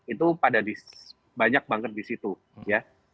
itu pada banyak banget di situ ya